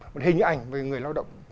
một hình ảnh về người lao động